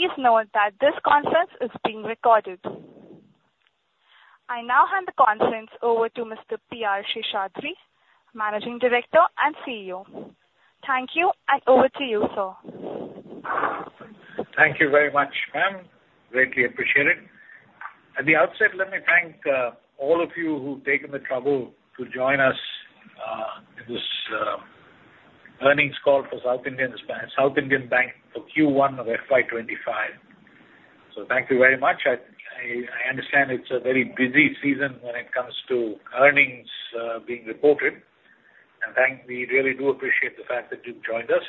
Please note that this conference is being recorded. I now hand the conference over to Mr. P. R. Seshadri, Managing Director and CEO. Thank you, and over to you, sir. Thank you very much, ma'am. Greatly appreciate it. At the outset, let me thank all of you who've taken the trouble to join us in this earnings call for South Indian Bank for Q1 of FY 25. So thank you very much. I understand it's a very busy season when it comes to earnings being reported, and we really do appreciate the fact that you've joined us.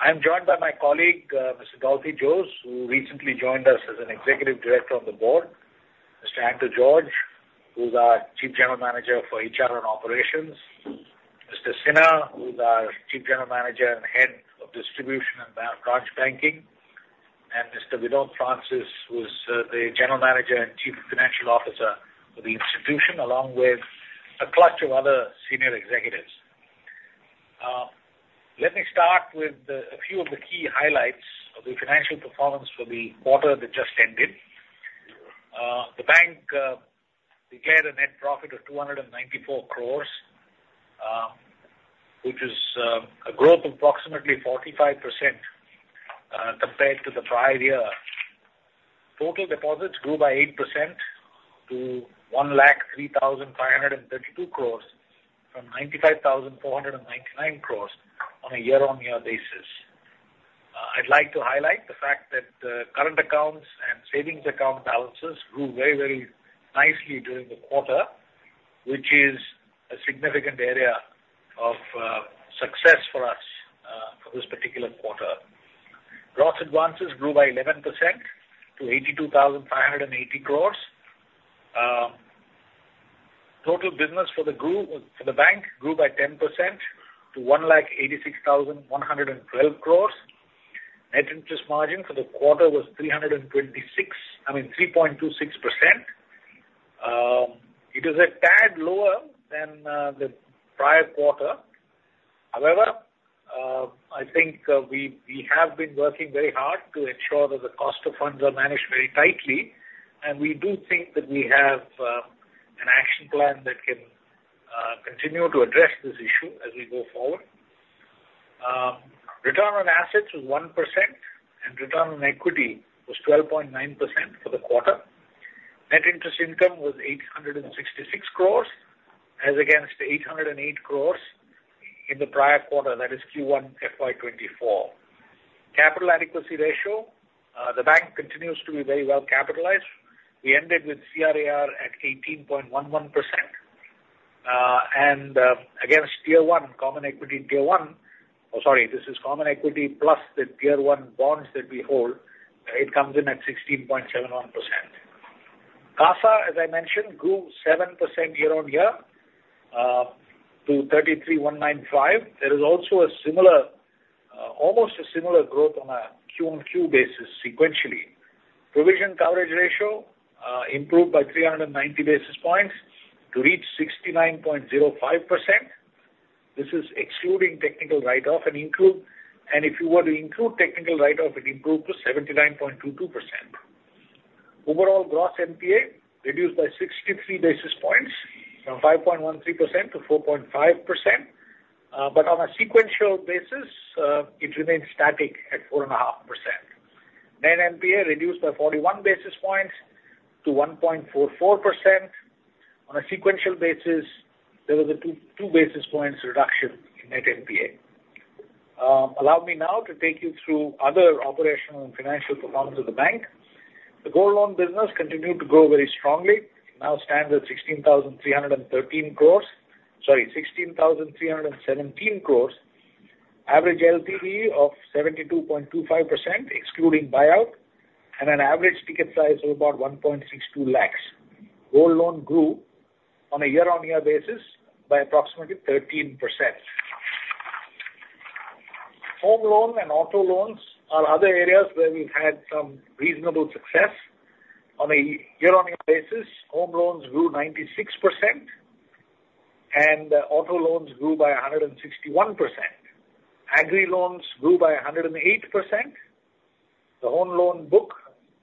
I'm joined by my colleague, Mr. Dolphy Jose, who recently joined us as an Executive Director on the board, Mr. Anto George, who's our Chief General Manager for HR and Operations, Mr. Sinha, who's our Chief General Manager and Head of Distribution and Branch Banking, and Mr. Vinod Francis, who's the General Manager and Chief Financial Officer of the institution, along with a clutch of other senior executives. Let me start with a few of the key highlights of the financial performance for the quarter that just ended. The bank declared a net profit of 294 crore, which is a growth of approximately 45%, compared to the prior year. Total deposits grew by 8% to 103,532 crore from 95,499 crore on a year-on-year basis. I'd like to highlight the fact that current accounts and savings account balances grew very, very nicely during the quarter, which is a significant area of success for us for this particular quarter. Gross advances grew by 11% to 82,580 crore. Total business for the bank grew by 10% to 1,86,112 crore. Net interest margin for the quarter was 326, I mean, 3.26%. It is a tad lower than the prior quarter. However, I think we have been working very hard to ensure that the cost of funds are managed very tightly, and we do think that we have an action plan that can continue to address this issue as we go forward. Return on assets was 1%, and return on equity was 12.9% for the quarter. Net interest income was 866 crore, as against 808 crore in the prior quarter, that is Q1 FY 2024. Capital adequacy ratio, the bank continues to be very well capitalized. We ended with CRAR at 18.11%, and against Tier 1, common equity Tier 1, this is common equity plus the Tier 1 bonds that we hold, it comes in at 16.71%. CASA, as I mentioned, grew 7% year-on-year to 33.195. There is also a similar, almost a similar growth on a Q-on-Q basis sequentially. Provision coverage ratio improved by 390 basis points to reach 69.05%. This is excluding technical write-off and include. And if you were to include technical write-off, it improved to 79.22%. Overall, gross NPA reduced by 63 basis points, from 5.13% to 4.5%. But on a sequential basis, it remains static at 4.5%. Net NPA reduced by 41 basis points to 1.44%. On a sequential basis, there was a 2 basis points reduction in net NPA. Allow me now to take you through other operational and financial performance of the bank. The gold loan business continued to grow very strongly, now stands at 16,313 crore, sorry, 16,317 crore. Average LTV of 72.25%, excluding buyout, and an average ticket size of about 1.62 lakh. Gold loan grew on a year-on-year basis by approximately 13%. Home loan and auto loans are other areas where we've had some reasonable success. On a year-on-year basis, home loans grew 96%, and auto loans grew by 161%. Agri loans grew by 108%. The home loan book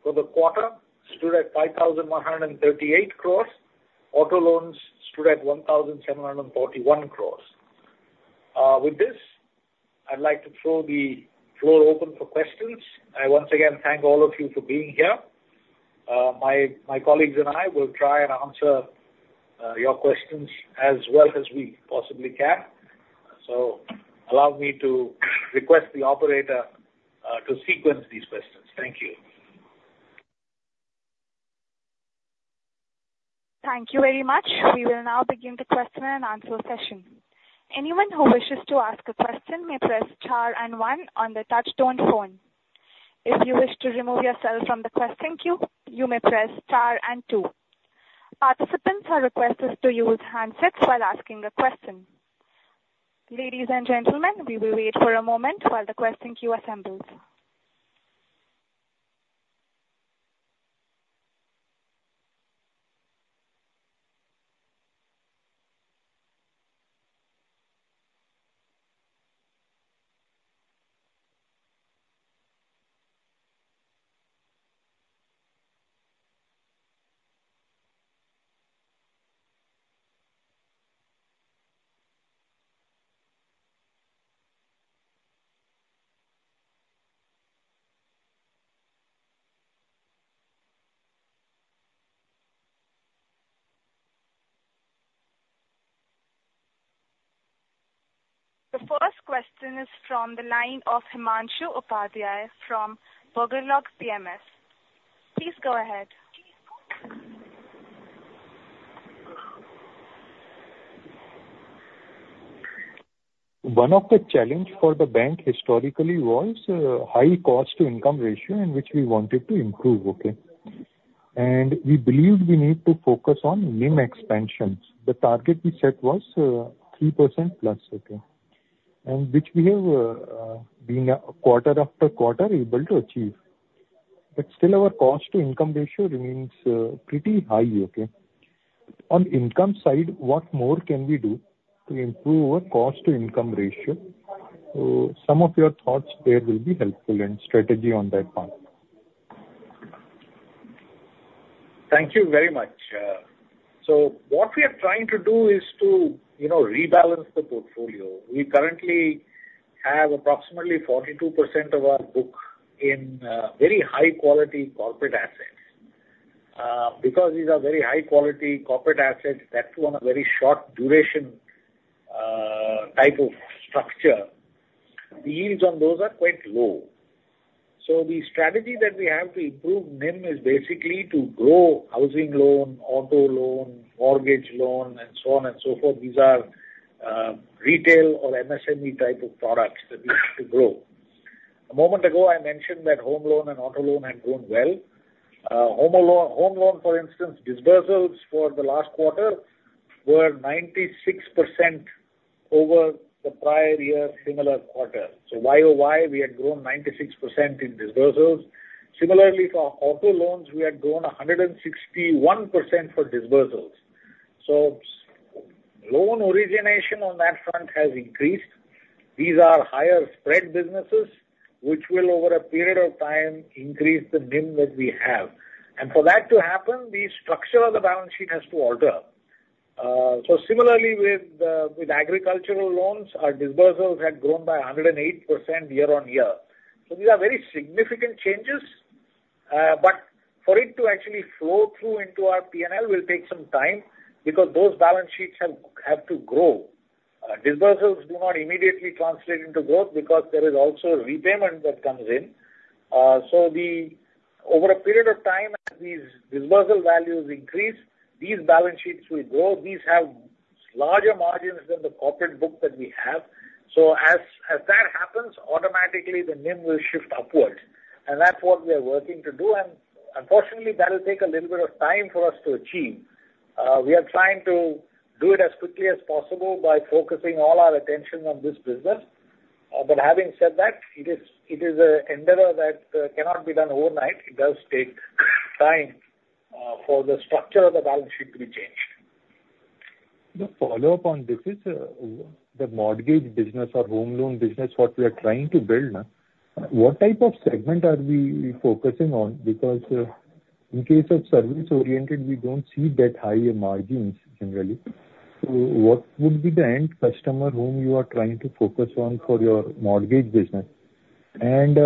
for the quarter stood at 5,138 crores. Auto loans stood at 1,741 crores. With this, I'd like to throw the floor open for questions. I once again thank all of you for being here. My colleagues and I will try and answer your questions as well as we possibly can. So allow me to request the operator to sequence these questions. Thank you. Thank you very much. We will now begin the question and answer session. Anyone who wishes to ask a question may press star and one on their touchtone phone. If you wish to remove yourself from the question queue, you may press star and two. Participants are requested to use handsets while asking a question. Ladies and gentlemen, we will wait for a moment while the question queue assembles... The first question is from the line of Himanshu Upadhyay from Marigold Wealth. Please go ahead. One of the challenge for the bank historically was high cost to income ratio, and which we wanted to improve, okay? We believe we need to focus on NIM expansions. The target we set was 3%+, okay? Which we have been, quarter after quarter, able to achieve. But still our cost to income ratio remains pretty high, okay? On income side, what more can we do to improve our cost to income ratio? So some of your thoughts there will be helpful, and strategy on that part. Thank you very much. So what we are trying to do is to, you know, rebalance the portfolio. We currently have approximately 42% of our book in very high quality corporate assets. Because these are very high quality corporate assets, that too, on a very short duration type of structure, the yields on those are quite low. So the strategy that we have to improve NIM is basically to grow housing loan, auto loan, mortgage loan, and so on and so forth. These are retail or MSME type of products that we have to grow. A moment ago, I mentioned that home loan and auto loan had grown well. Home loan, for instance, disbursements for the last quarter were 96% over the prior year similar quarter. So YOY, we had grown 96% in disbursements. Similarly, for auto loans, we had grown 161% for disbursements. So loan origination on that front has increased. These are higher spread businesses, which will, over a period of time, increase the NIM that we have. And for that to happen, the structure of the balance sheet has to be in order. So similarly with agricultural loans, our disbursements had grown by 108% year-on-year. So these are very significant changes, but for it to actually flow through into our PNL will take some time, because those balance sheets have to grow. Disbursements do not immediately translate into growth, because there is also repayment that comes in. So over a period of time, as these disbursal values increase, these balance sheets will grow. These have larger margins than the corporate book that we have. So as that happens, automatically, the NIM will shift upwards, and that's what we are working to do, and unfortunately, that will take a little bit of time for us to achieve. We are trying to do it as quickly as possible by focusing all our attention on this business. But having said that, it is an endeavor that cannot be done overnight. It does take time for the structure of the balance sheet to be changed. Just follow up on this is, the mortgage business or home loan business, what we are trying to build, what type of segment are we focusing on? Because, in case of service oriented, we don't see that high a margins generally. So what would be the end customer whom you are trying to focus on for your mortgage business? And,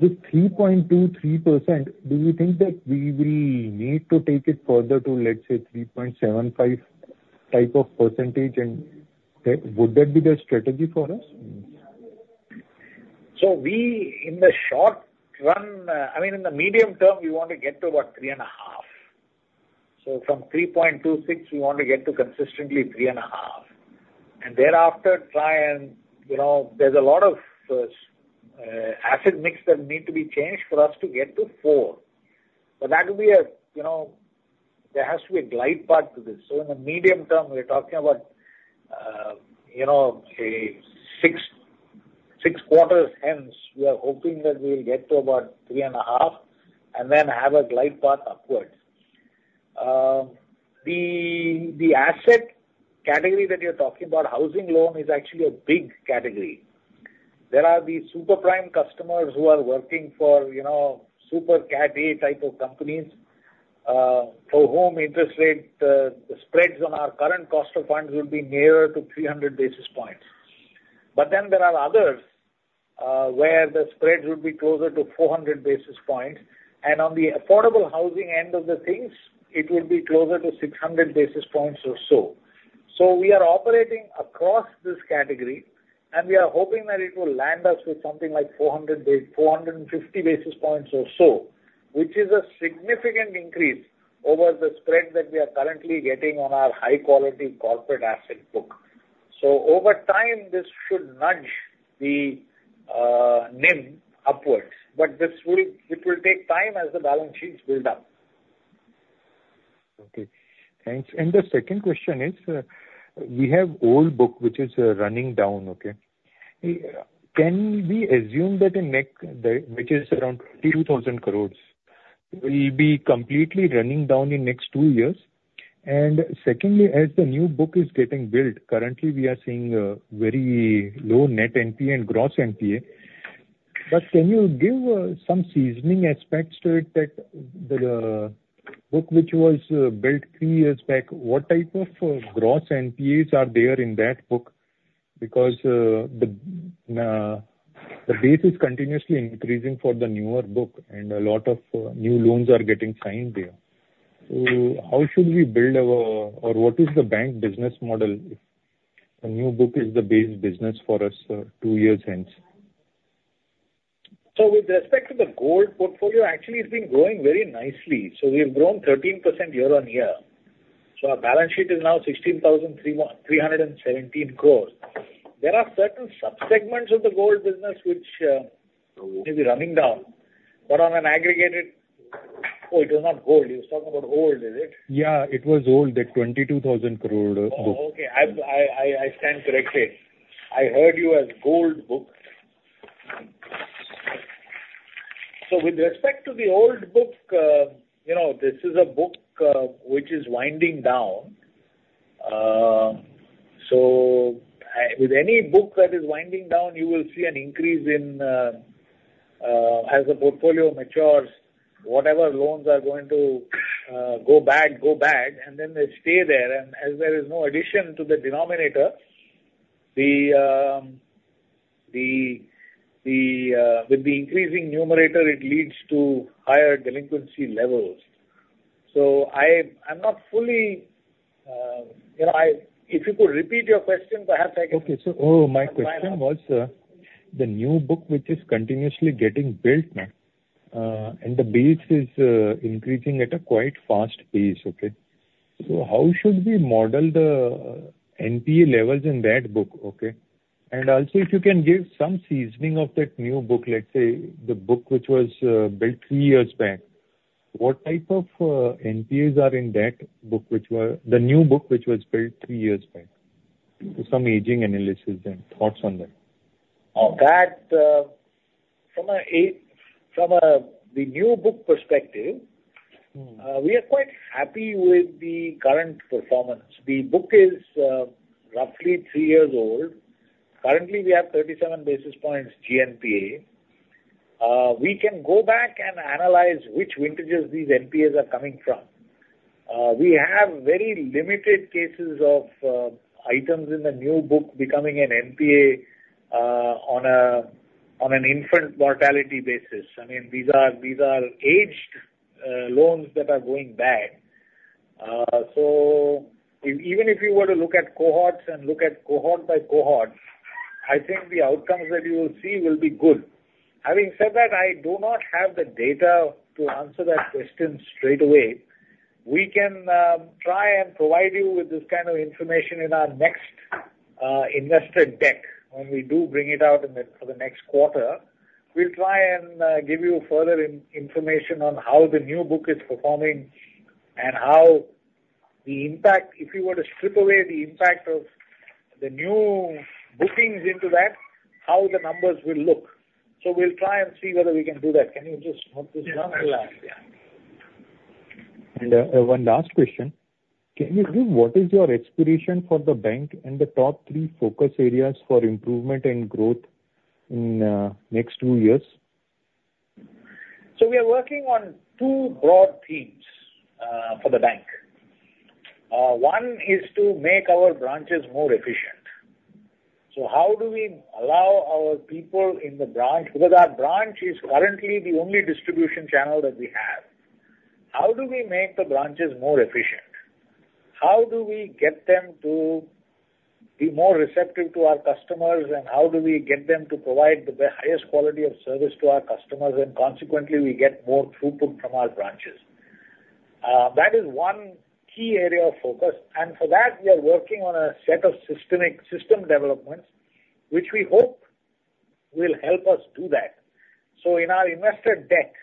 with 3.23%, do you think that we will need to take it further to, let's say, 3.75% type of percentage, and, would that be the strategy for us? So we, in the short run, I mean, in the medium term, we want to get to about 3.5. So from 3.26, we want to get to consistently 3.5, and thereafter try and, you know, there's a lot of, asset mix that need to be changed for us to get to 4. But that will be a, you know, there has to be a glide path to this. So in the medium term, we're talking about, you know, a 6, 6 quarters, hence, we are hoping that we will get to about 3.5, and then have a glide path upwards. The asset category that you're talking about, housing loan, is actually a big category. There are these super prime customers who are working for, you know, super Cat A type of companies, for whom interest rate spreads on our current cost of funds will be nearer to 300 basis points. But then there are others, where the spreads will be closer to 400 basis points, and on the affordable housing end of the things, it will be closer to 600 basis points or so. So we are operating across this category, and we are hoping that it will land us with something like 400 and 50 basis points or so, which is a significant increase over the spread that we are currently getting on our high quality corporate asset book. So over time, this should nudge the, NIM upwards, but this will, it will take time as the balance sheets build up. Okay, thanks. And the second question is, we have old book, which is running down, okay? Can we assume that the next, which is around 22,000 crore, will be completely running down in next two years? And secondly, as the new book is getting built, currently we are seeing a very low net NPA and gross NPA. But can you give some seasoning aspects to it, that the book which was built three years back, what type of gross NPAs are there in that book? Because the base is continuously increasing for the newer book, and a lot of new loans are getting signed there. So how should we build our, or what is the bank business model if the new book is the base business for us two years hence? So with respect to the gold portfolio, actually it's been growing very nicely. So we have grown 13% year-on-year. So our balance sheet is now 16,317 crore. There are certain subsegments of the gold business which may be running down, but on an aggregated... Oh, it was not gold, you was talking about old, is it? Yeah, it was old, the 22,000 crore book. Oh, okay. I stand corrected. I heard you as gold book. So with respect to the old book, you know, this is a book which is winding down. So with any book that is winding down, you will see an increase in, as the portfolio matures, whatever loans are going to go bad, go bad, and then they stay there. And as there is no addition to the denominator, the with the increasing numerator, it leads to higher delinquency levels. So I'm not fully, you know, if you could repeat your question, perhaps I can- Okay, so, oh, my question was, the new book, which is continuously getting built now, and the base is, increasing at a quite fast pace, okay? So how should we model the NPA levels in that book, okay? And also, if you can give some seasoning of that new book, let's say, the book which was, built three years back, what type of, NPAs are in that book, which were, the new book which was built three years back? Some aging analysis and thoughts on that. Oh, that from the new book perspective. We are quite happy with the current performance. The book is roughly three years old. Currently, we have 37 basis points GNPA. We can go back and analyze which vintages these NPAs are coming from. We have very limited cases of items in the new book becoming an NPA on an infant mortality basis. I mean, these are aged loans that are going bad. So even if you were to look at cohorts and look at cohort by cohort, I think the outcomes that you will see will be good. Having said that, I do not have the data to answer that question straight away. We can try and provide you with this kind of information in our next investor deck, when we do bring it out for the next quarter. We'll try and give you further information on how the new book is performing, and how the impact, if you were to strip away the impact of the new bookings into that, how the numbers will look. So we'll try and see whether we can do that. Can you just hold this one last? Yeah. One last question. Can you give what is your expectation for the bank and the top three focus areas for improvement and growth in next two years? So we are working on two broad themes for the bank. One is to make our branches more efficient. So how do we allow our people in the branch? Because our branch is currently the only distribution channel that we have. How do we make the branches more efficient? How do we get them to be more receptive to our customers, and how do we get them to provide the highest quality of service to our customers, and consequently, we get more throughput from our branches? That is one key area of focus, and for that, we are working on a set of systemic system developments, which we hope will help us do that. So in our investor deck,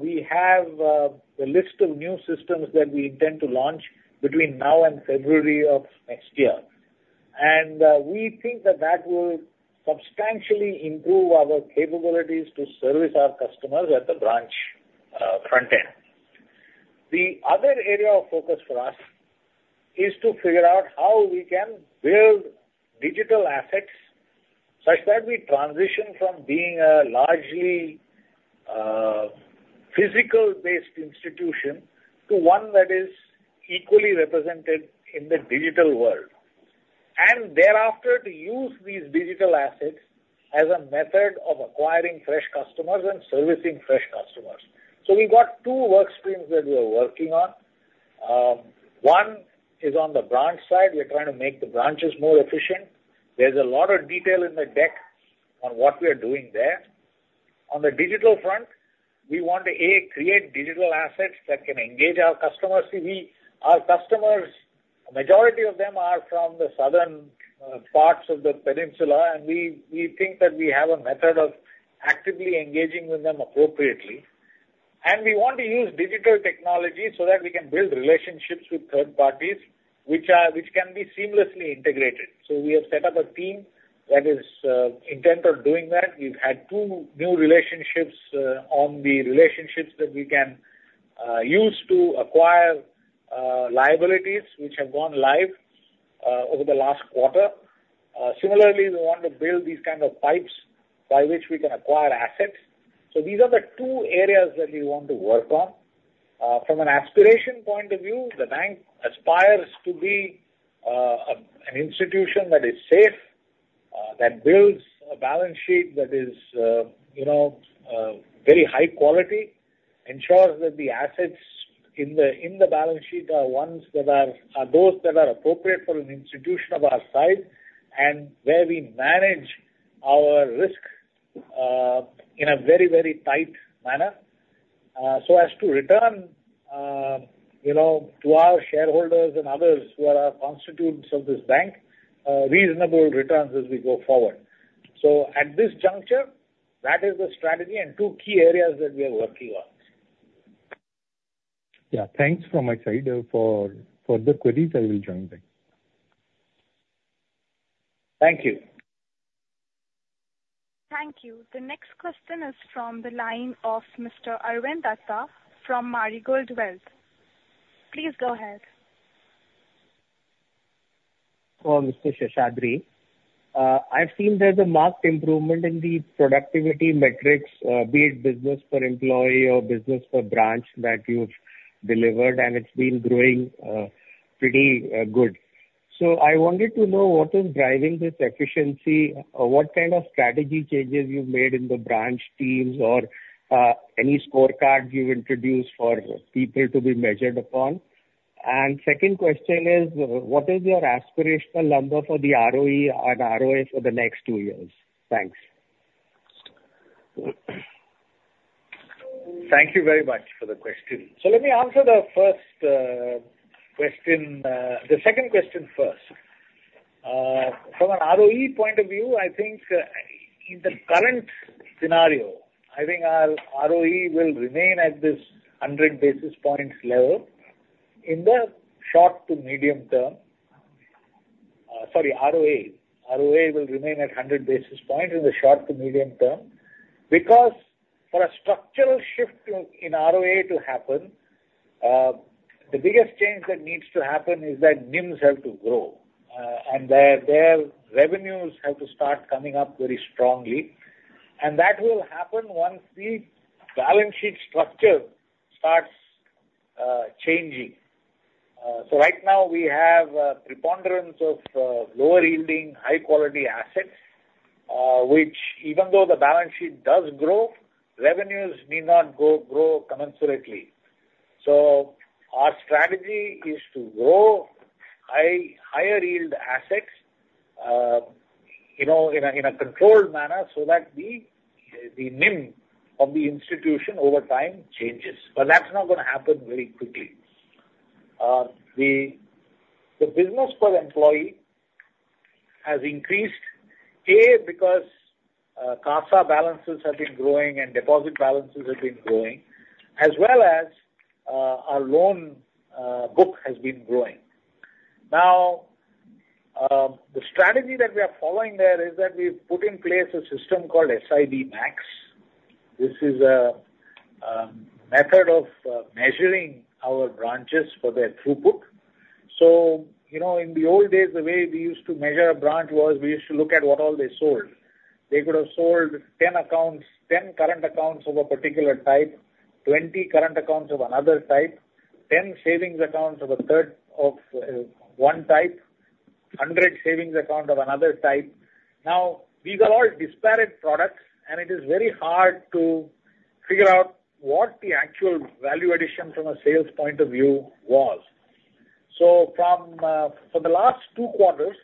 we have the list of new systems that we intend to launch between now and February of next year. And, we think that that will substantially improve our capabilities to service our customers at the branch, front end. The other area of focus for us is to figure out how we can build digital assets, such that we transition from being a largely, physical-based institution, to one that is equally represented in the digital world, and thereafter to use these digital assets as a method of acquiring fresh customers and servicing fresh customers. So we've got two work streams that we are working on. One is on the branch side. We're trying to make the branches more efficient. There's a lot of detail in the deck on what we are doing there. On the digital front, we want to, A, create digital assets that can engage our customers. See, our customers, a majority of them are from the southern parts of the peninsula, and we think that we have a method of actively engaging with them appropriately. We want to use digital technology so that we can build relationships with third parties which can be seamlessly integrated. So we have set up a team that is intent on doing that. We've had two new relationships on the relationships that we can use to acquire liabilities which have gone live over the last quarter. Similarly, we want to build these kind of pipes by which we can acquire assets. So these are the two areas that we want to work on. From an aspiration point of view, the bank aspires to be an institution that is safe, that builds a balance sheet that is, you know, very high quality, ensures that the assets in the, in the balance sheet are ones that are, are those that are appropriate for an institution of our size, and where we manage our risk in a very, very tight manner. So as to return, you know, to our shareholders and others who are our constituents of this bank, reasonable returns as we go forward. At this juncture, that is the strategy and two key areas that we are working on. Yeah, thanks from my side. For further queries, I will join back. Thank you. Thank you. The next question is from the line of Mr. Arvind Datta from Marigold Wealth. Please go ahead. Hello, Mr. Seshadri. I've seen there's a marked improvement in the productivity metrics, be it business per employee or business per branch, that you've delivered, and it's been growing pretty good. So I wanted to know what is driving this efficiency, or what kind of strategy changes you've made in the branch teams, or any scorecard you've introduced for people to be measured upon? And second question is, what is your aspirational number for the ROE and ROA for the next two years? Thanks. Thank you very much for the question. Let me answer the first question, the second question first. From an ROE point of view, I think, in the current scenario, I think our ROE will remain at this 100 basis points level in the short to medium term. Sorry, ROA. ROA will remain at 100 basis points in the short to medium term, because for a structural shift in, in ROA to happen, the biggest change that needs to happen is that NIMs have to grow, and their, their revenues have to start coming up very strongly. And that will happen once the balance sheet structure starts, changing. So right now, we have a preponderance of, lower-yielding, high-quality assets, which even though the balance sheet does grow, revenues need not grow commensurately. So our strategy is to grow higher-yield assets, you know, in a controlled manner so that the NIM of the institution over time changes. But that's not gonna happen very quickly. The business per employee has increased because CASA balances have been growing and deposit balances have been growing, as well as our loan book has been growing. Now, the strategy that we are following there is that we've put in place a system called SIB Max. This is a method of measuring our branches for their throughput. So, you know, in the old days, the way we used to measure a branch was we used to look at what all they sold. They could have sold 10 accounts, 10 current accounts of a particular type, 20 current accounts of another type, 10 savings accounts of a third one type, 100 savings account of another type. Now, these are all disparate products, and it is very hard to figure out what the actual value addition from a sales point of view was. So, for the last two quarters,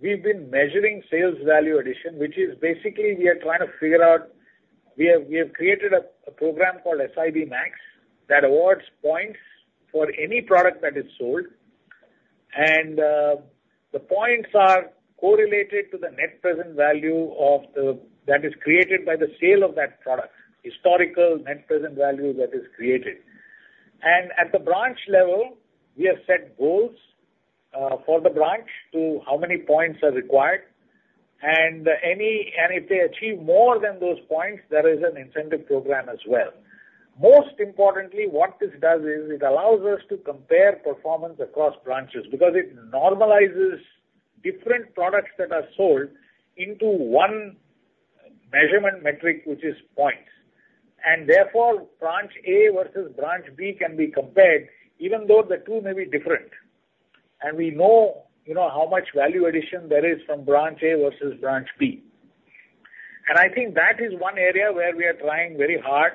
we've been measuring sales value addition, which is basically we are trying to figure out. We have created a program called SIB Max that awards points for any product that is sold. And, the points are correlated to the net present value that is created by the sale of that product, historical net present value that is created. At the branch level, we have set goals for the branch to how many points are required, and if they achieve more than those points, there is an incentive program as well. Most importantly, what this does is, it allows us to compare performance across branches, because it normalizes different products that are sold into one measurement metric, which is points. And therefore, branch A versus branch B can be compared, even though the two may be different. And we know, you know, how much value addition there is from branch A versus branch B. And I think that is one area where we are trying very hard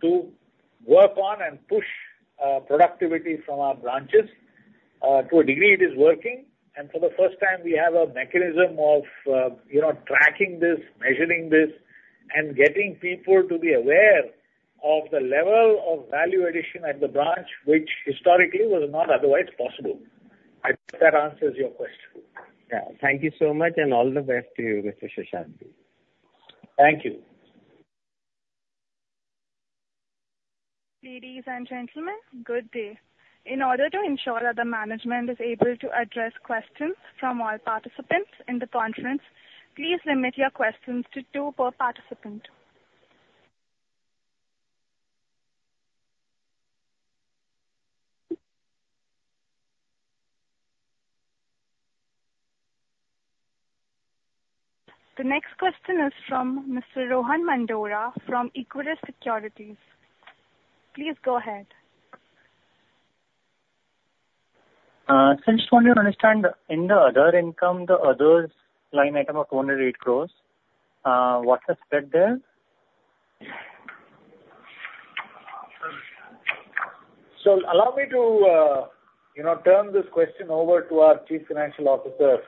to work on and push productivity from our branches. To a degree, it is working, and for the first time, we have a mechanism of, you know, tracking this, measuring this, and getting people to be aware of the level of value addition at the branch, which historically was not otherwise possible. I hope that answers your question. Yeah. Thank you so much, and all the best to you, Mr. Seshadri. Thank you.... Ladies and gentlemen, good day. In order to ensure that the management is able to address questions from all participants in the conference, please limit your questions to two per participant. The next question is from Mr. Rohan Mandora from Equirus Securities. Please go ahead. I just want to understand, in the other income, the others line item of only 8 crore, what has spread there? Allow me to, you know, turn this question over to our Chief Financial Officer,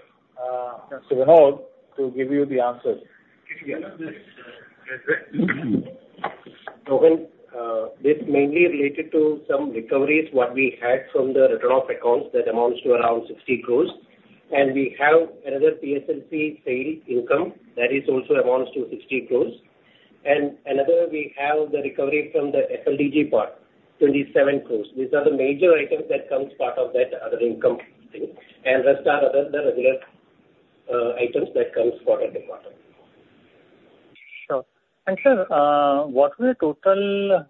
Mr. Vinod, to give you the answers. Yes, yes. Rohan, this mainly related to some recoveries, what we had from the return of accounts, that amounts to around 60 crore. We have another PSLC sale income that is also amounts to 60 crore. Another, we have the recovery from the FLDG part, 27 crore. These are the major items that comes part of that other income, and rest are other, the regular, items that comes for at the bottom. Sure. And, sir, what were the total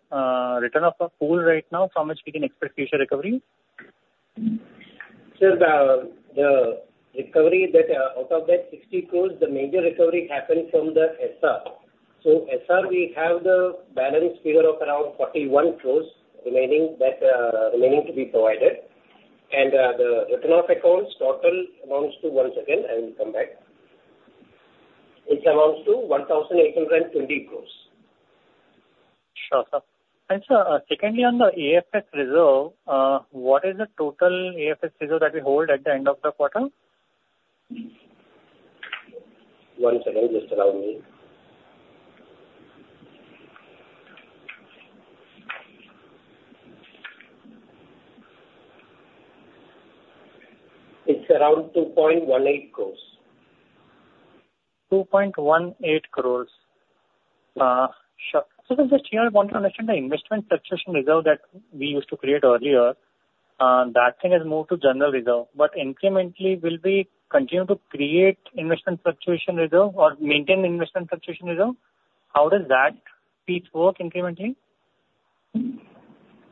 return of the pool right now, from which we can expect future recovery? Sir, the recovery that out of that 60 crore, the major recovery happened from the SR. So SR, we have the balance figure of around 41 crore remaining, that remaining to be provided. And the return of accounts total amounts to... One second, I will come back. It amounts to 1,820 crore. Sure, sir. And sir, secondly, on the AFS Reserve, what is the total AFS Reserve that we hold at the end of the quarter? One second, just allow me. It's around 2.18 crore. 2.18 crore. Sure. So just here, I want to understand the Investment Fluctuation Reserve that we used to create earlier, that thing has moved to general reserve. But incrementally, will we continue to create Investment Fluctuation Reserve or maintain Investment Fluctuation Reserve? How does that piece work incrementally?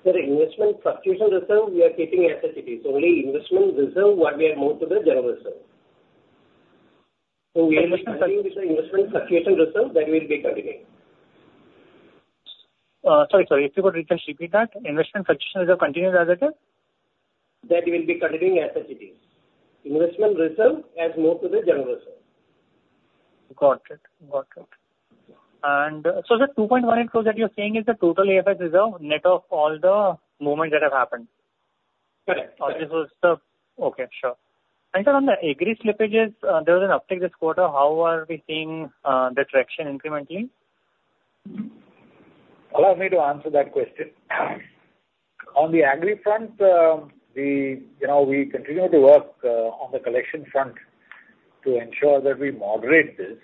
Sir, Investment Fluctuation Reserve, we are keeping as it is. Only Investment Reserve, what we have moved to the General Reserve. So we are looking at the Investment Fluctuation Reserve, that will be continuing. Sorry, sorry. If you could repeat that, Investment Fluctuation Reserve continues as it is? That will be continuing as it is. Investment reserve has moved to the general reserve. Got it. Got it. And, so the 2.18 crore that you're saying is the total AFS Reserve, net of all the movement that have happened? Correct. Okay, sure. And then on the agri slippages, there was an uptick this quarter. How are we seeing the traction incrementally? Allow me to answer that question. On the agri front, we, you know, we continue to work on the collection front to ensure that we moderate this.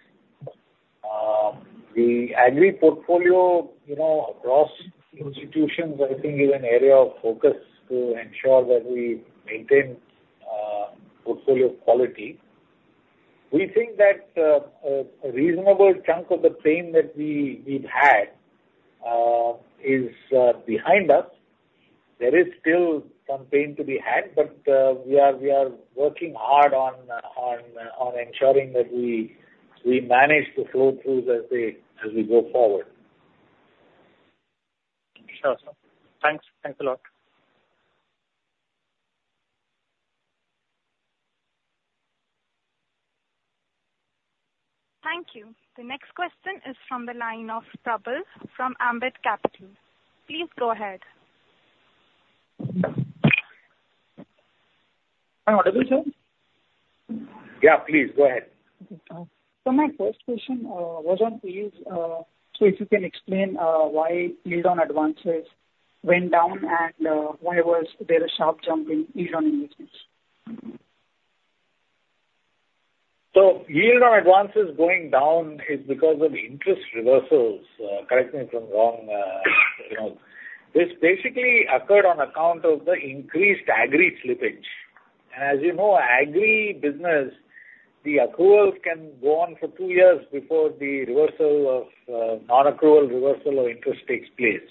The agri portfolio, you know, across institutions, I think, is an area of focus to ensure that we maintain portfolio quality. We think that a reasonable chunk of the pain that we've had is behind us. There is still some pain to be had, but we are working hard on ensuring that we manage the flow through as we go forward. Sure, sir. Thanks. Thanks a lot. Thank you. The next question is from the line of Prabal from Ambit Capital. Please go ahead. What is it, sir? Yeah, please, go ahead. Okay. My first question was on fees. If you can explain why yield on advances went down and why was there a sharp jump in yield on investments? So yield on advances going down is because of interest reversals. Correct me if I'm wrong, Vinod. This basically occurred on account of the increased agri slippage. As you know, agri business, the accruals can go on for two years before the reversal of, non-accrual reversal or interest takes place.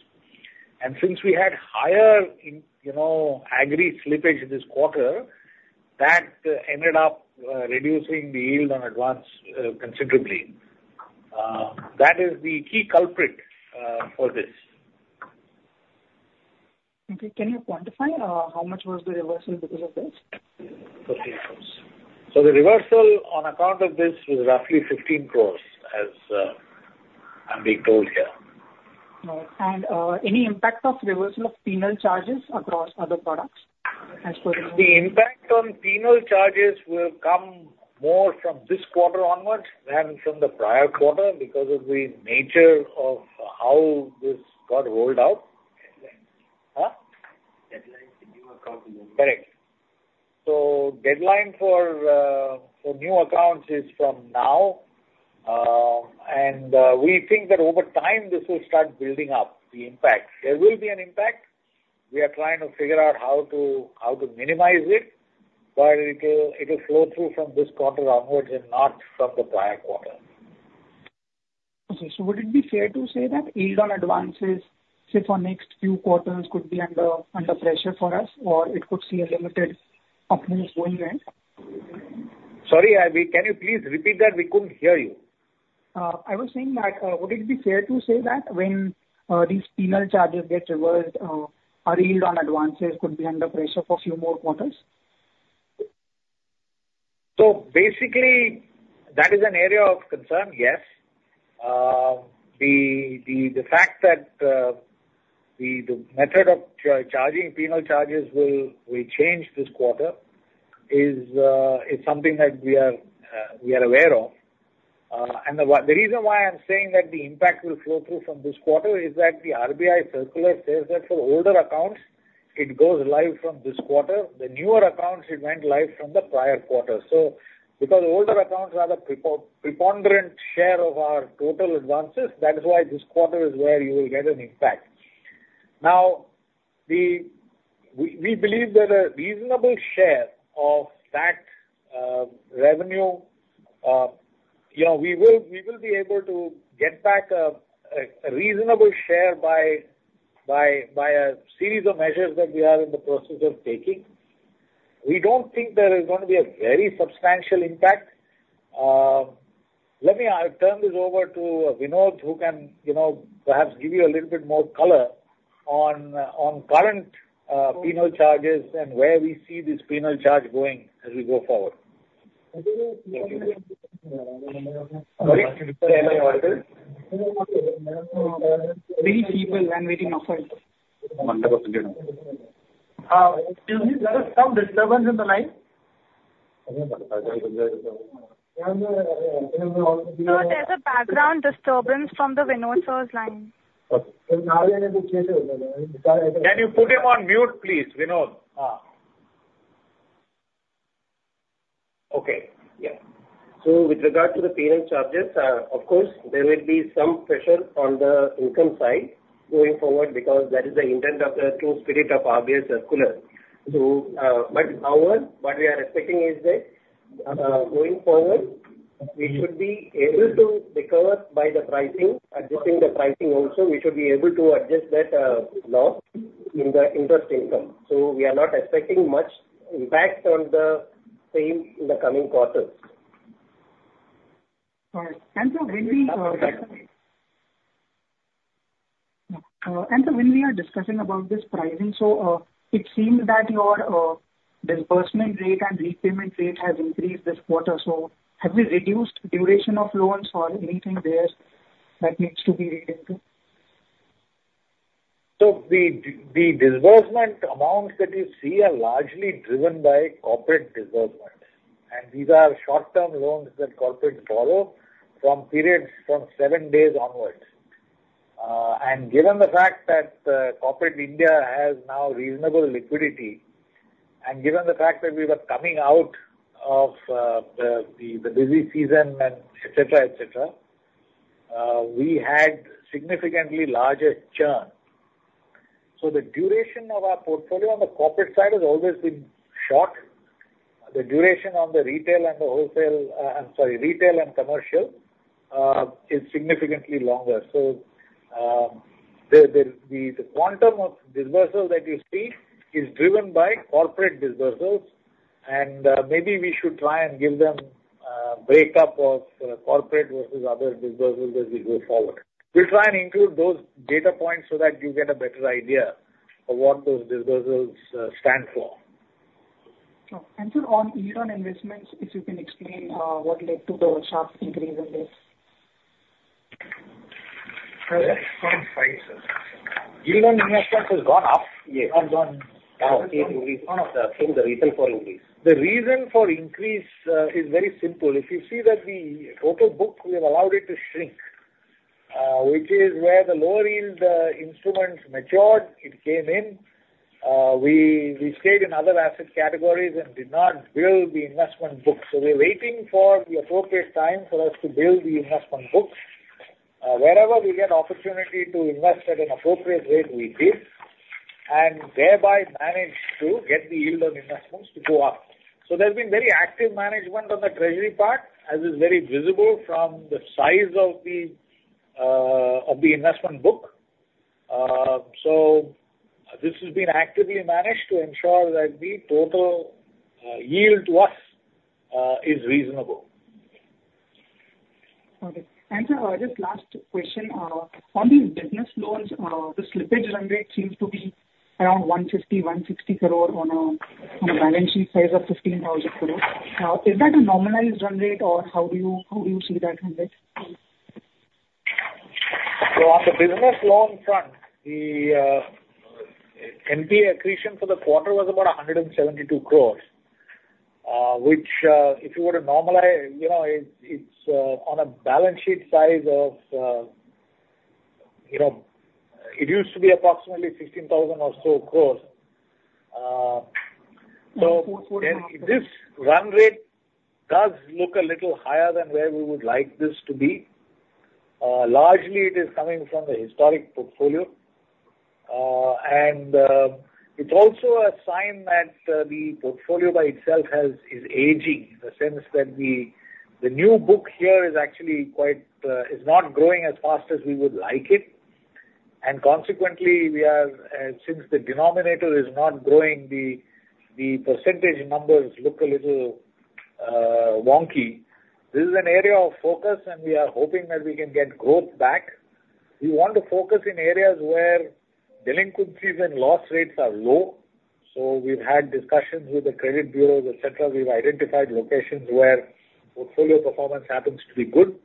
And since we had higher in, you know, agri slippage this quarter, that ended up, reducing the yield on advance, considerably. That is the key culprit, for this. Okay. Can you quantify how much was the reversal because of this? 15 crore. So the reversal on account of this is roughly 15 crore, as I'm being told here. Right. And any impact of reversal of penal charges across other products as per the- The impact on penal charges will come more from this quarter onwards than from the prior quarter, because of the nature of how this got rolled out. Correct. So deadline for new accounts is from now, and we think that over time this will start building up the impact. There will be an impact. We are trying to figure out how to minimize it, but it will flow through from this quarter onwards and not from the prior quarter. Okay. So would it be fair to say that yield on advances, say, for next few quarters could be under pressure for us, or it could see a limited upward going in? Sorry, can you please repeat that? We couldn't hear you. I was saying that, would it be fair to say that when these penal charges get reversed, our yield on advances could be under pressure for few more quarters? So basically, that is an area of concern, yes. The fact that the method of charging penal charges will change this quarter is something that we are aware of. And the reason why I'm saying that the impact will flow through from this quarter is that the RBI circular says that for older accounts, it goes live from this quarter; the newer accounts, it went live from the prior quarter. So because older accounts are the preponderant share of our total advances, that is why this quarter is where you will get an impact. Now, we believe that a reasonable share of that revenue, you know, we will be able to get back a reasonable share by a series of measures that we are in the process of taking. We don't think there is gonna be a very substantial impact. Let me, I'll turn this over to Vinod, who can, you know, perhaps give you a little bit more color on current penal charges and where we see this penal charge going as we go forward. Very feeble, I'm waiting off right now. Excuse me, there is some disturbance in the line. No, there's a background disturbance from the Vinod sir's line. Okay. Can you put him on mute, please, Vinod? Okay. Yeah. So with regard to the penal charges, of course, there will be some pressure on the income side going forward, because that is the intent of the true spirit of RBI circular. So, but however, what we are expecting is that, going forward, we should be able to recover by the pricing, adjusting the pricing also, we should be able to adjust that, loss in the interest income. So we are not expecting much impact on the same in the coming quarters. All right. And so when we are discussing about this pricing, so, it seems that your disbursement rate and repayment rate has increased this quarter, so have we reduced duration of loans or anything there that needs to be looked into? So the disbursement amounts that you see are largely driven by corporate disbursements. These are short-term loans that corporates borrow for periods from seven days onwards. And given the fact that corporate India has now reasonable liquidity, and given the fact that we were coming out of the busy season and et cetera, et cetera, we had significantly larger churn. So the duration of our portfolio on the corporate side has always been short. The duration on the retail and the wholesale, I'm sorry, retail and commercial, is significantly longer. So the quantum of disbursement that you see is driven by corporate disbursements, and maybe we should try and give them breakup of corporate versus other disbursements as we go forward. We'll try and include those data points so that you get a better idea of what those disbursements stand for. Sure. Sir, on yield on investments, if you can explain what led to the sharp increase in this? Yield on investment has gone up? Yes. Have gone up. One of the retail for increase. The reason for increase is very simple. If you see that the total book, we have allowed it to shrink, which is where the lower yield instruments matured, it came in. We stayed in other asset categories and did not build the investment book. So we're waiting for the appropriate time for us to build the investment books. Wherever we get opportunity to invest at an appropriate rate, we did, and thereby managed to get the yield on investments to go up. So there's been very active management on the treasury part, as is very visible from the size of the investment book. So this has been actively managed to ensure that the total yield to us is reasonable. Okay. And sir, just last question, on the business loans, the slippage run rate seems to be around 150-160 crore on a balance sheet size of 15,000 crore. Is that a normalized run rate, or how do you see that run rate? So on the business loan front, the NPA accretion for the quarter was about 172 crore, which, if you were to normalize, you know, it's, it's on a balance sheet size of... You know, it used to be approximately 15,000 crore or so, so this run rate does look a little higher than where we would like this to be. Largely it is coming from the historic portfolio. And, it's also a sign that the portfolio by itself has, is aging, in the sense that the, the new book here is actually quite, is not growing as fast as we would like it. And consequently, we are, since the denominator is not growing, the, the percentage numbers look a little, wonky. This is an area of focus, and we are hoping that we can get growth back. We want to focus in areas where delinquencies and loss rates are low, so we've had discussions with the credit bureaus, et cetera. We've identified locations where portfolio performance happens to be good,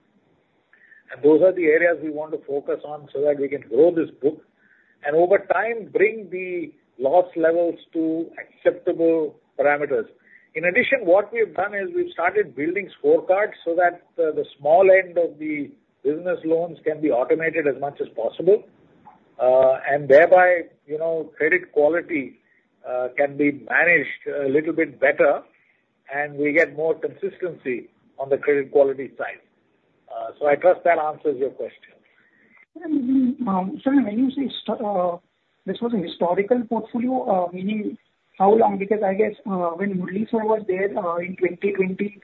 and those are the areas we want to focus on so that we can grow this book, and over time, bring the loss levels to acceptable parameters. In addition, what we've done is, we've started building scorecards so that the small end of the business loans can be automated as much as possible. And thereby, you know, credit quality can be managed a little bit better, and we get more consistency on the credit quality side. So I trust that answers your question. And, sir, when you say, this was a historical portfolio, meaning how long? Because I guess, when Murali sir was there, in 2020,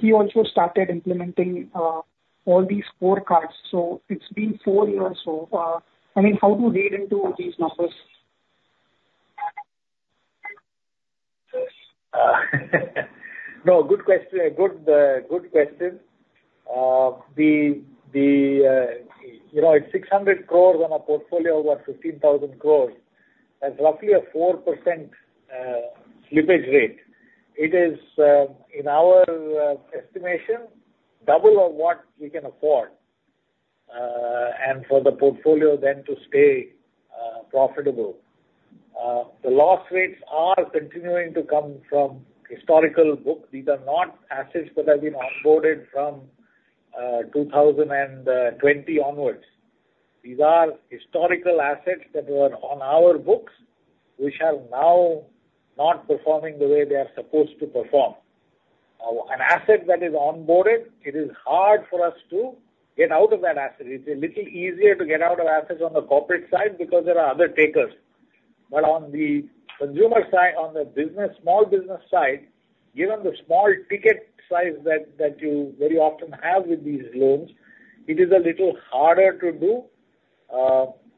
he also started implementing, all these scorecards. So it's been four years so. I mean, how to read into all these numbers? No, good question, good question. You know, it's 600 crore on a portfolio of about 15,000 crore, that's roughly a 4% slippage rate. It is, in our estimation, double of what we can afford, and for the portfolio then to stay profitable. The loss rates are continuing to come from historical books. These are not assets that have been onboarded from 2020 onwards. These are historical assets that were on our books, which are now not performing the way they are supposed to perform. An asset that is onboarded, it is hard for us to get out of that asset. It's a little easier to get out of assets on the corporate side, because there are other takers. But on the consumer side, on the business, small business side, given the small ticket size that you very often have with these loans, it is a little harder to do,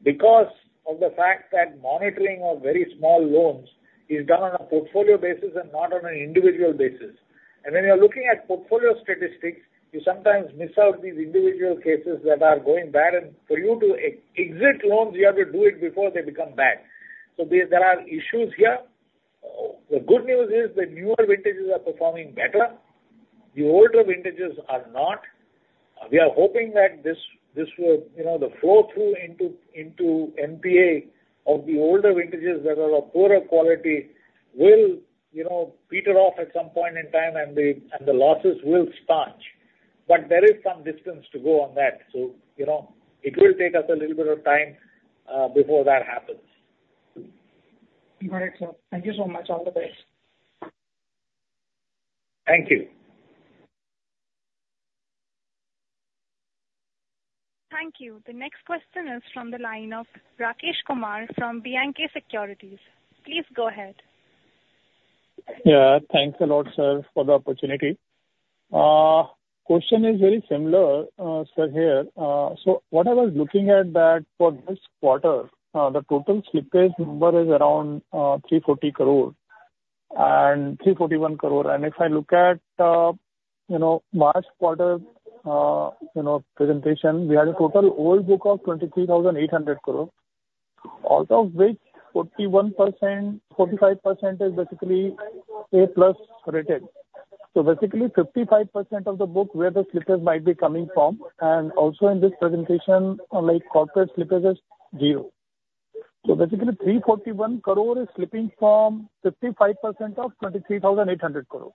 because of the fact that monitoring of very small loans is done on a portfolio basis and not on an individual basis. And when you're looking at portfolio statistics, you sometimes miss out these individual cases that are going bad, and for you to exit loans, you have to do it before they become bad. So there are issues here. The good news is, the newer vintages are performing better. The older vintages are not. We are hoping that this will, you know, the flow-through into NPA of the older vintages that are of poorer quality will, you know, peter off at some point in time, and the losses will staunch. But there is some distance to go on that, so, you know, it will take us a little bit of time, before that happens. Got it, sir. Thank you so much. All the best. Thank you. Thank you. The next question is from the line of Rakesh Kumar from B&K Securities. Please go ahead. Yeah, thanks a lot, sir, for the opportunity. Question is very similar, sir, here. So what I was looking at that for this quarter, the total slippage number is around 340 crore and 341 crore. And if I look at, you know, last quarter, you know, presentation, we had a total old book of 23,800 crore, out of which 41%, 45% is basically A+ rated. So basically, 55% of the book where the slippage might be coming from, and also in this presentation, unlike corporate, slippage is zero. So basically, 341 crore is slipping from 55% of 23,800 crore.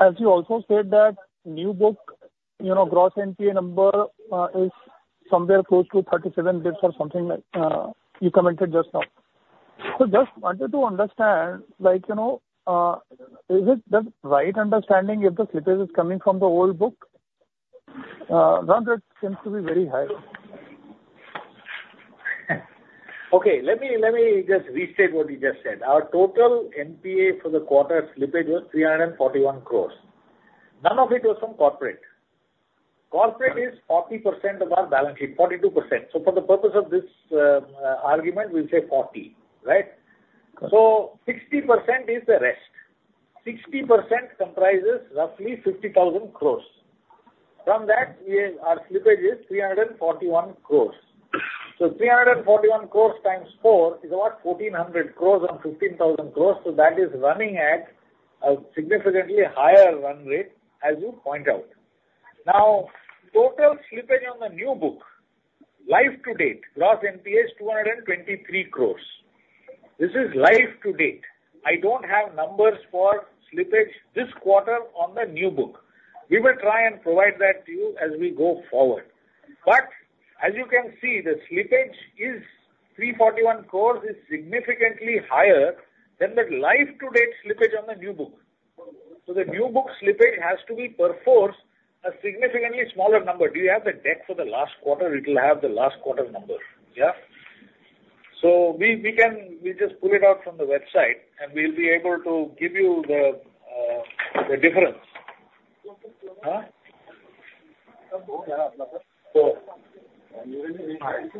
As you also said, that new book, you know, gross NPA number, is somewhere close to 37 basis or something like, you commented just now. Just wanted to understand, like, you know, is it the right understanding if the slippage is coming from the old book? Run rate seems to be very high. Okay, let me, let me just restate what you just said. Our total NPA for the quarter slippage was 341 crore. None of it was from corporate. Corporate is 40% of our balance sheet, 42%. So for the purpose of this argument, we'll say 40, right? Correct. So 60% is the rest. 60% comprises roughly 50,000 crore. From that, we have our slippage is 341 crore. So 341 crore times 4 is about 1,400 crore on 15,000 crore, so that is running at a significantly higher run rate, as you point out. Now, total slippage on the new book life to date, gross NPAs 223 crore. This is life to date. I don't have numbers for slippage this quarter on the new book. We will try and provide that to you as we go forward. But as you can see, the slippage is 341 crore, is significantly higher than the life to date slippage on the new book. So the new book slippage has to be perforce a significantly smaller number. Do you have the deck for the last quarter? It will have the last quarter number. Yeah. So we can, we just pull it out from the website, and we'll be able to give you the difference. So, okay,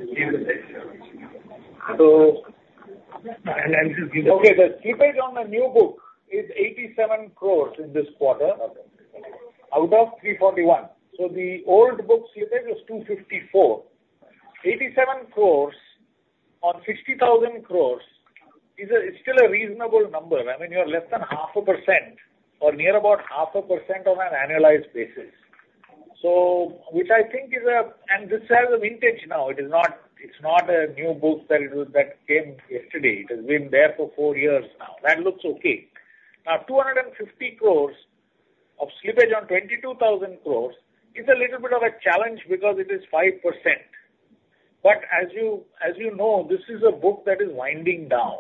the slippage on the new book is 87 crore in this quarter, out of 341 crore. So the old book slippage was 254 crore. 87 crore on 60,000 crore is still a reasonable number. I mean, you're less than 0.5% or near about 0.5% on an annualized basis. So which I think is, and this has a vintage now, it is not, it's not a new book that came yesterday. It has been there for 4 years now. That looks okay. Now, 250 crore of slippage on 22,000 crore is a little bit of a challenge because it is 5%. But as you know, this is a book that is winding down,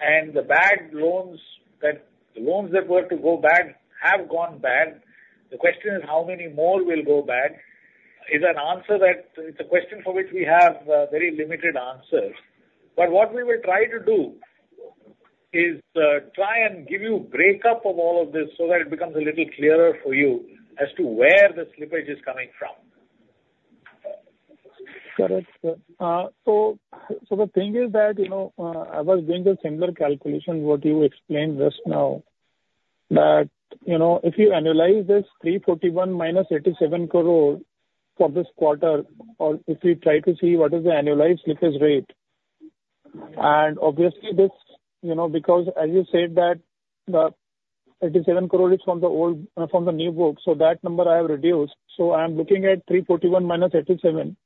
and the bad loans that, the loans that were to go bad have gone bad. The question is: how many more will go bad? It's a question for which we have very limited answers. But what we will try to do is try and give you breakup of all of this so that it becomes a little clearer for you as to where the slippage is coming from. Correct, sir. So, so the thing is that, you know, I was doing the similar calculation what you explained just now, that, you know, if you annualize this 341 crore - 87 crore for this quarter, or if you try to see what is the annualized slippage rate, and obviously this, you know, because as you said, that the 87 crore is from the old, from the new book, so that number I have reduced. So I am looking at 341 minus 87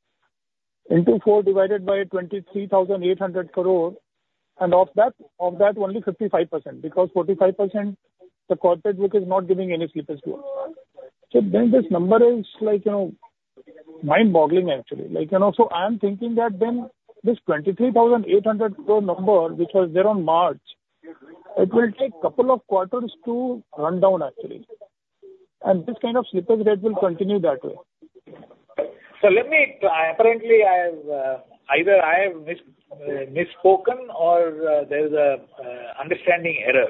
into 4 divided by 23,800 crore, and of that, of that, only 55%, because 45%, the corporate book is not giving any slippage to us. So then this number is like, you know, mind-boggling, actually. Like, and also I am thinking that then this 23,800 crore number, which was there on March, it will take couple of quarters to run down, actually, and this kind of slippage rate will continue that way. So let me apparently, I have either I have misspoken or, there's a understanding error.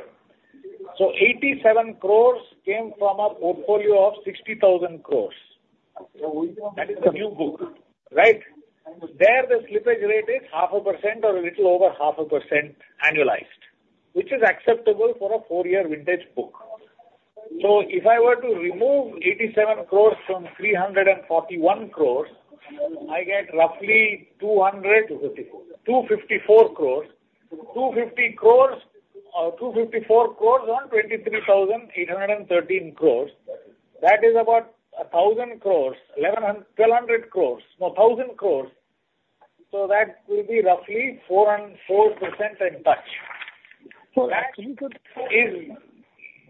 So 87 crores came from a portfolio of 60,000 crores. That is the new book, right? There, the slippage rate is 0.5% or a little over 0.5% annualized, which is acceptable for a 4-year vintage book. So if I were to remove 87 crores from 341 crores, I get roughly 200- Two fifty-four. 254 crore. 250 crore, 254 crore on 23,813 crore. That is about 1,000 crore, 1,200 crore. No, 1,000 crore. So that will be roughly 4 and 4% in touch. So actually, could-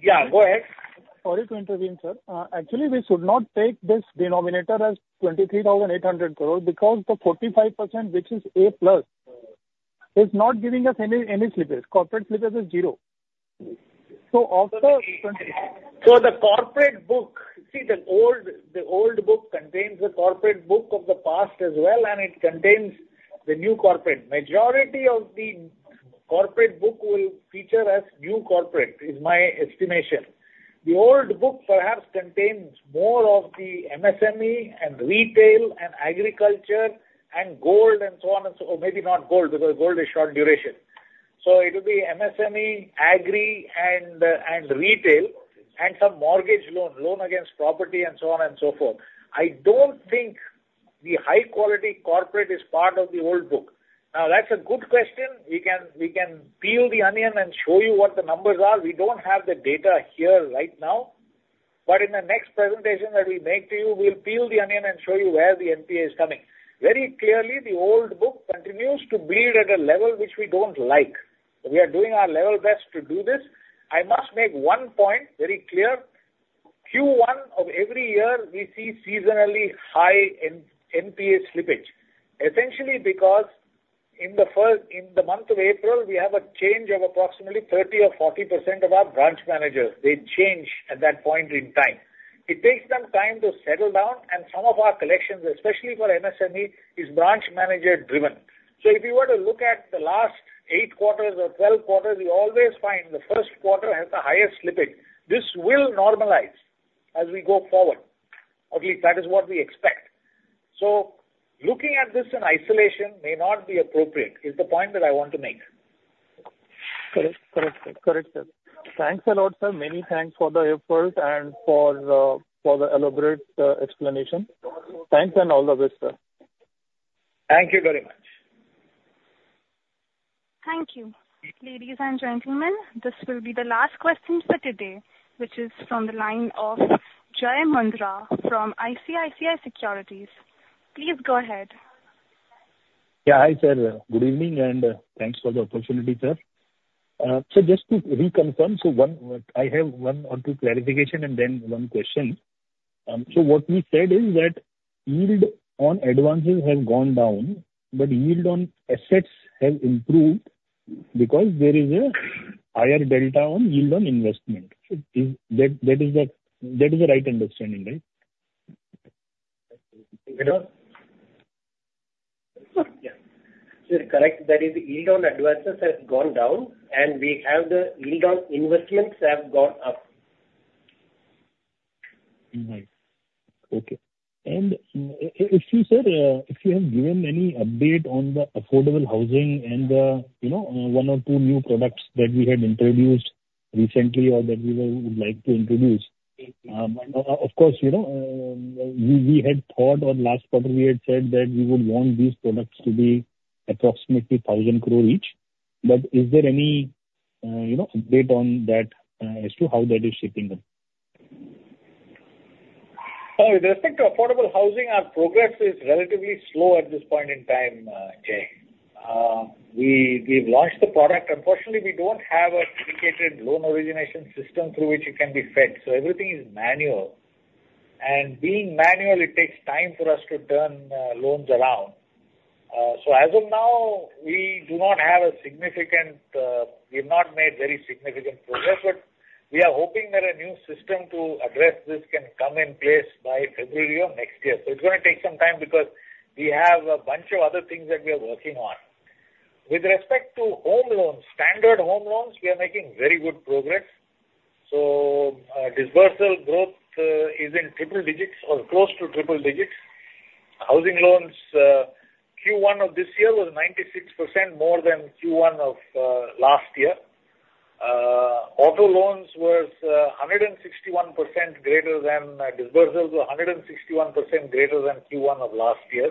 Yeah, go ahead. Sorry to intervene, sir. Actually, we should not take this denominator as 23,800 crore because the 45%, which is A plus, is not giving us any, any slippage. Corporate slippage is 0. So of the twenty- So the corporate book, see, the old book contains the corporate book of the past as well, and it contains the new corporate. Majority of the corporate book will feature as new corporate, is my estimation. The old book perhaps contains more of the MSME and retail and agriculture and gold and so on and so... Or maybe not gold, because gold is short duration. So it will be MSME, agri, and retail and some mortgage loan, loan against property and so on and so forth. I don't think the high quality corporate is part of the old book. Now, that's a good question. We can peel the onion and show you what the numbers are. We don't have the data here right now, but in the next presentation that we make to you, we'll peel the onion and show you where the NPA is coming. Very clearly, the old book continues to build at a level which we don't like. We are doing our level best to do this. I must make one point very clear: Q1 of every year, we see seasonally high NPA slippage, essentially because in the first, in the month of April, we have a change of approximately 30% or 40% of our branch managers. They change at that point in time. It takes them time to settle down, and some of our collections, especially for MSME, is branch manager-driven. So if you were to look at the last 8 quarters or 12 quarters, you always find the first quarter has the highest slippage. This will normalize as we go forward. Okay, that is what we expect. So looking at this in isolation may not be appropriate, is the point that I want to make. Correct. Correct, sir. Thanks a lot, sir. Many thanks for the effort and for the elaborate explanation. Thanks and all the best, sir. Thank you very much.... Thank you. Ladies and gentlemen, this will be the last question for today, which is from the line of Jai Mundra from ICICI Securities. Please go ahead. Yeah, hi, sir. Good evening, and thanks for the opportunity, sir. So just to reconfirm, I have one or two clarification and then one question. So what we said is that yield on advances has gone down, but yield on assets has improved because there is a higher delta on yield on investment. So is that the right understanding, right? Yeah. So correct, that is, yield on advances has gone down, and we have the yield on investments have gone up. Mm-hmm. Okay. If you have given any update on the affordable housing and the, you know, one or two new products that we had introduced recently or that we would like to introduce. But of course, you know, we had thought or last quarter we had said that we would want these products to be approximately 1,000 crore each. Is there any, you know, update on that, as to how that is shaping up? With respect to affordable housing, our progress is relatively slow at this point in time, Jai. We, we've launched the product. Unfortunately, we don't have a dedicated loan origination system through which it can be fed, so everything is manual. And being manual, it takes time for us to turn, loans around. So as of now, we do not have a significant, we've not made very significant progress, but we are hoping that a new system to address this can come in place by February of next year. So it's gonna take some time because we have a bunch of other things that we are working on. With respect to home loans, standard home loans, we are making very good progress. So, dispersal growth, is in triple digits or close to triple digits. Housing loans, Q1 of this year was 96% more than Q1 of last year. Auto loans was, 161% greater than, disbursements were 161% greater than Q1 of last year.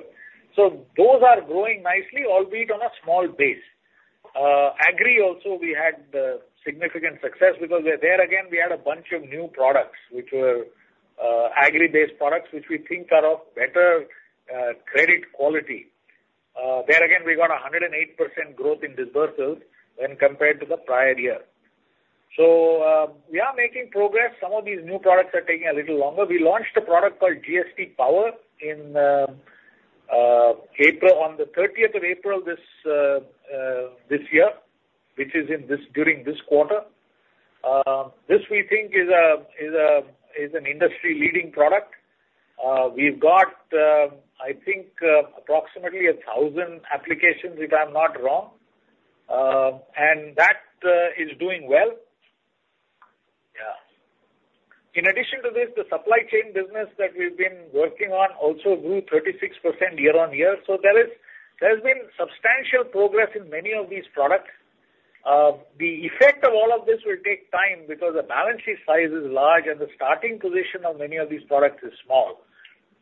So those are growing nicely, albeit on a small base. Agri also, we had significant success because there again, we had a bunch of new products which were agri-based products, which we think are of better credit quality. There again, we got a 108% growth in disbursements when compared to the prior year. So, we are making progress. Some of these new products are taking a little longer. We launched a product called GST Power in April, on the thirtieth of April, this year, which is in this, during this quarter. This we think is an industry-leading product. We've got, I think, approximately 1,000 applications, if I'm not wrong. And that is doing well. Yeah. In addition to this, the supply chain business that we've been working on also grew 36% year-on-year. So there's been substantial progress in many of these products. The effect of all of this will take time because the balance sheet size is large and the starting position of many of these products is small.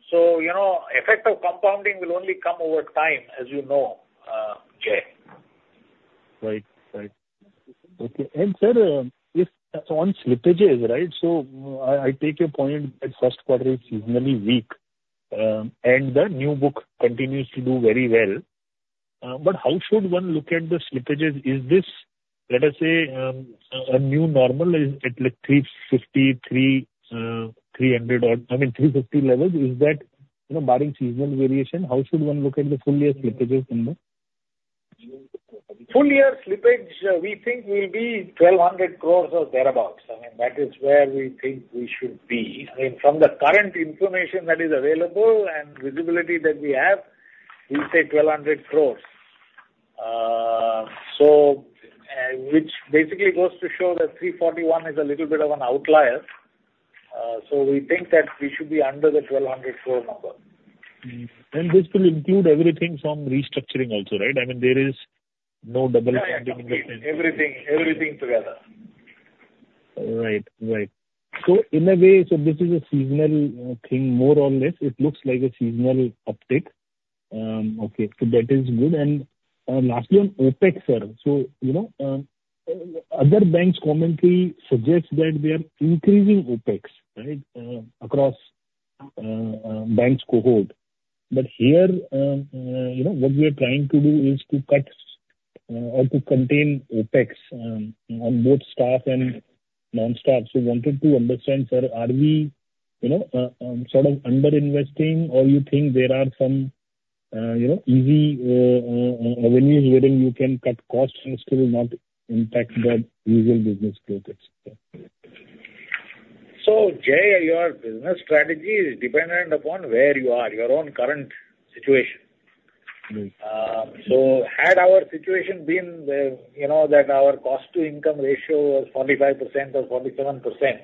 So, you know, effect of compounding will only come over time, as you know, Jay. Right. Right. Okay. And sir, if on slippages, right, so I take your point that first quarter is seasonally weak, and the new book continues to do very well. But how should one look at the slippages? Is this, let us say, a new normal at like 350, 300 or, I mean, 350 levels, you know, barring seasonal variation, how should one look at the full year slippages in there? Full year slippage, we think will be 1,200 crore or thereabouts. I mean, that is where we think we should be. I mean, from the current information that is available and visibility that we have, we say 1,200 crore. So, which basically goes to show that 341 is a little bit of an outlier. So we think that we should be under the 1,200 crore number. Hmm. And this will include everything from restructuring also, right? I mean, there is no double- Yeah, yeah, everything, everything together. Right. Right. So in a way, so this is a seasonal thing, more or less. It looks like a seasonal uptick. Okay, so that is good. And lastly on OpEx, sir. So, you know, other banks commonly suggest that they are increasing OpEx, right? Across banks cohort. But here, you know, what we are trying to do is to cut or to contain OpEx on both staff and non-staff. So wanted to understand, sir, are we, you know, sort of underinvesting, or you think there are some, you know, easy avenues wherein you can cut costs and still not impact the usual business growth? Jay, your business strategy is dependent upon where you are, your own current situation. So had our situation been, you know, that our cost to income ratio was 45% or 47%,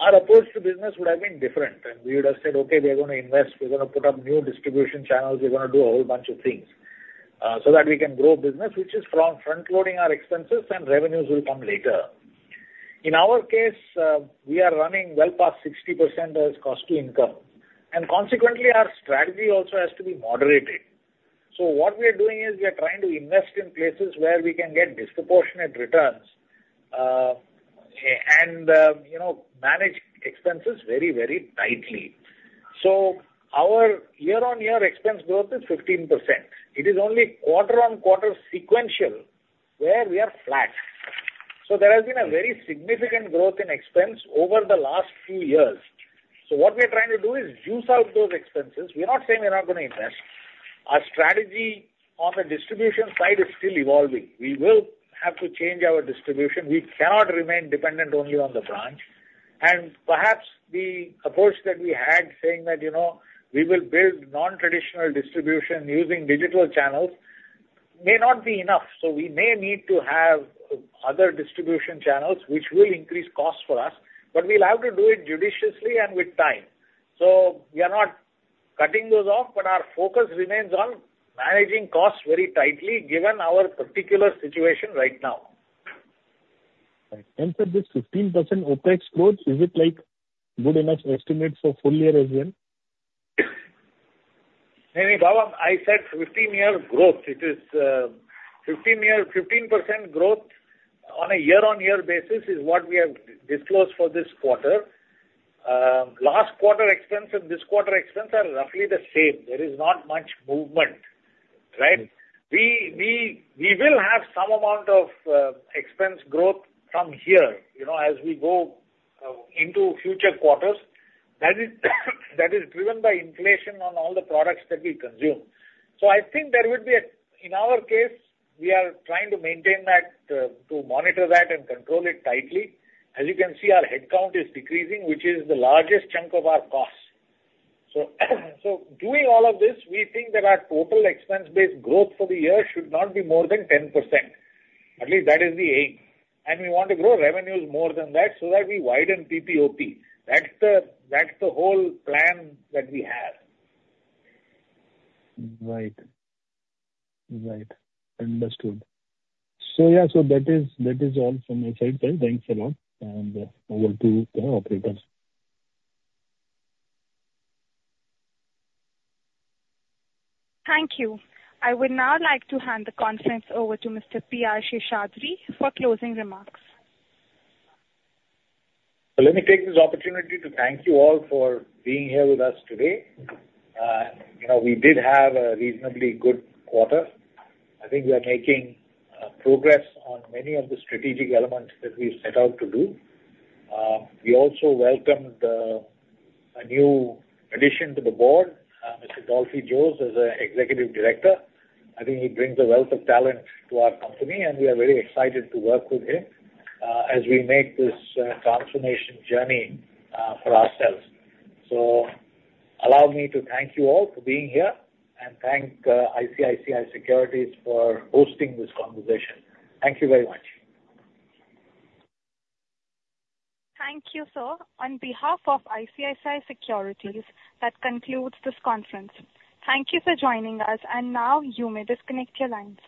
our approach to business would have been different, and we would have said: Okay, we are gonna invest, we're gonna put up new distribution channels, we're gonna do a whole bunch of things, so that we can grow business, which is from frontloading our expenses and revenues will come later... In our case, we are running well past 60% as cost to income, and consequently, our strategy also has to be moderated. So what we are doing is we are trying to invest in places where we can get disproportionate returns, and, you know, manage expenses very, very tightly. So our year-on-year expense growth is 15%. It is only quarter-on-quarter sequential, where we are flat. There has been a very significant growth in expense over the last few years. What we are trying to do is juice out those expenses. We're not saying we're not gonna invest. Our strategy on the distribution side is still evolving. We will have to change our distribution. We cannot remain dependent only on the branch. Perhaps the approach that we had, saying that, you know, we will build non-traditional distribution using digital channels, may not be enough. We may need to have other distribution channels, which will increase costs for us, but we'll have to do it judiciously and with time. We are not cutting those off, but our focus remains on managing costs very tightly, given our particular situation right now. Right. Sir, this 15% OpEx growth, is it, like, good enough to estimate for full year as well? No, no, Bhavin, I said 15-year growth. It is, fifteen year-- 15% growth on a year-on-year basis is what we have disclosed for this quarter. Last quarter expense and this quarter expense are roughly the same. There is not much movement, right? We, we, we will have some amount of, expense growth from here, you know, as we go, into future quarters. That is, that is driven by inflation on all the products that we consume. So I think there would be a... In our case, we are trying to maintain that, to monitor that and control it tightly. As you can see, our headcount is decreasing, which is the largest chunk of our costs. So, so doing all of this, we think that our total expense base growth for the year should not be more than 10%. At least that is the aim. And we want to grow revenues more than that, so that we widen PPOP. That's the, that's the whole plan that we have. Right. Right. Understood. So, yeah, so that is, that is all from my side, sir. Thanks a lot, and over to the operators. Thank you. I would now like to hand the conference over to Mr. P. R. Seshadri for closing remarks. Let me take this opportunity to thank you all for being here with us today. You know, we did have a reasonably good quarter. I think we are making progress on many of the strategic elements that we set out to do. We also welcomed a new addition to the board, Mr. Dolphy Jose, as an Executive Director. I think he brings a wealth of talent to our company, and we are very excited to work with him as we make this transformation journey for ourselves. Allow me to thank you all for being here, and thank ICICI Securities for hosting this conversation. Thank you very much. Thank you, sir. On behalf of ICICI Securities, that concludes this conference. Thank you for joining us, and now you may disconnect your lines.